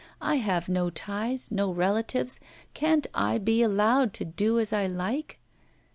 I have no ties, no relatives; can't I be allowed to do as I like?